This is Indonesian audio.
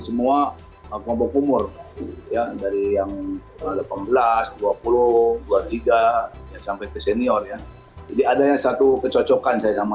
semua kelompok umur ya dari yang delapan belas dua puluh dua puluh tiga sampai ke senior ya jadi ada yang satu kecocokan saya sama